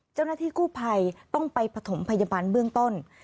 เจ้าหน้าที่กู้ภัยต้องไปปฐมพยาบาลเบื้องต้น